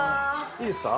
いいですか？